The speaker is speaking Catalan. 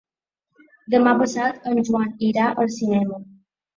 Demà passat en Joan irà al cinema.